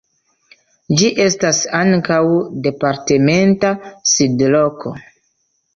Ĝi estas ankaŭ departementa sidloko.